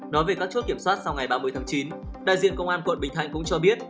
nói về các chốt kiểm soát sau ngày ba mươi tháng chín đại diện công an quận bình thạnh cũng cho biết